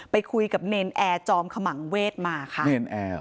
ไปคุยกับเนรนแอร์จอมขมังเวศมาค่ะ